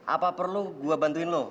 apa perlu gue bantuin lo